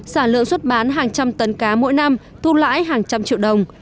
sản lượng xuất bán hàng trăm tấn cá mỗi năm thu lãi hàng trăm triệu đồng